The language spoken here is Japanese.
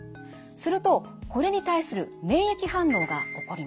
するとこれに対する免疫反応が起こります。